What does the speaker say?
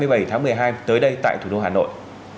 và ngày hai mươi bảy tháng một mươi hai tới đây tại thủ đô hà nội